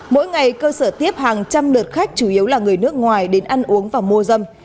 mỗi ngày cơ sở tiếp hàng trăm lượt khách chủ yếu là người nước ngoài đến ăn uống và mua dâm